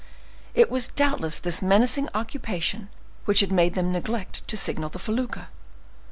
It was doubtless this menacing occupation which had made them neglect to signal the felucca.